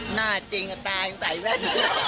หน้าจริงตายังใส่แว่น